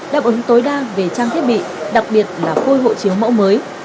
đáp ứng tối đa về trang thiết bị đặc biệt là khôi hộ chiếu mẫu mới